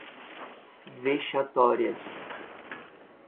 vexatórias